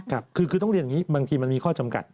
ครับคือต้องเรียนอย่างนี้บางทีมันมีข้อจำกัด